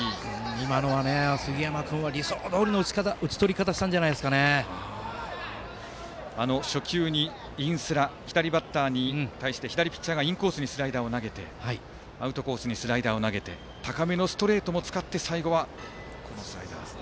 今のは杉山君は理想どおりの打ち取り方を初球にインスラ左バッターに対して左ピッチャーがインコースにスライダーを投げてアウトコースにスライダーを投げて高めのストレートも使って最後はスライダー。